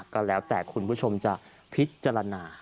ก็แล้วแต่คุณผู้ชมจะพิจารณา